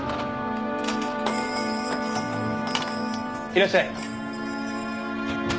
いらっしゃい。